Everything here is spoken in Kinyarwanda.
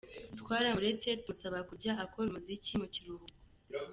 Twaramuretse tumusaba kujya akora umuziki mu kiruhuko.